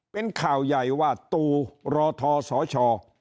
เป็นข่าวใหญ่ว่าตูรทสช